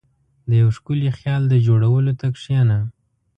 • د یو ښکلي خیال د جوړولو ته کښېنه.